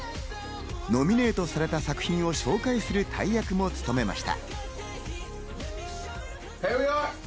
ノミネートされた作品を紹介する大役も務めました。